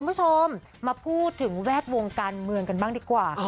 คุณผู้ชมมาพูดถึงแวดวงการเมืองกันบ้างดีกว่า